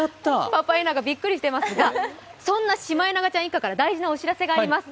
パパエナガびっくりしてますが、そんなシマエナガちゃん一家から大事なお知らせがあります。